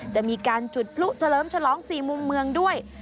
จะมีการจุดพลุเฉลิมฉลอง๔มุมเมืองด้วย